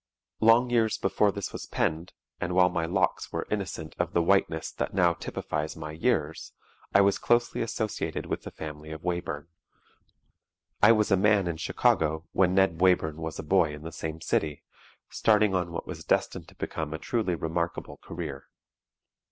Long years before this was penned, and while yet my locks were innocent of the whiteness that now typifies my years, I was closely associated with the family of Wayburn. I was a man in Chicago when Ned Wayburn was a boy in the same city, starting on what was destined to become a truly remarkable career.